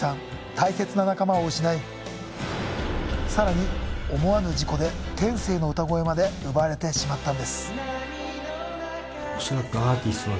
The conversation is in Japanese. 大切な仲間を失い更に思わぬ事故で天性の歌声まで奪われてしまったんです。